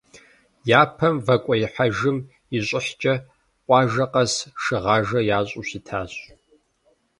Япэм вакӏуэихьэжым и щӏыхькӏэ къуажэ къэс шыгъажэ ящӏу щытащ.